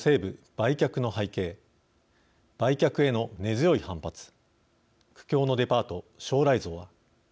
売却への根強い反発苦境のデパート、将来像は。